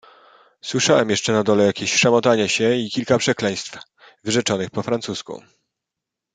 "Słyszałem jeszcze na dole jakieś szamotanie się i kilka przekleństw, wyrzeczonych po francusku."